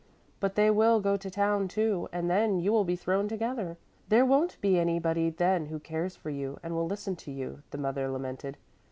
"But they will go to town, too, and then you will be thrown together. There won't be anybody then who cares for you and will listen to you," the mother lamented.